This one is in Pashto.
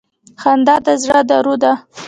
• خندا د زړه دارو ده.